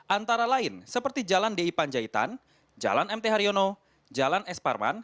antara lain seperti jalan di panjaitan jalan mt haryono jalan s parman